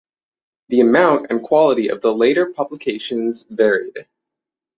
The amount and quality of the later publications varied.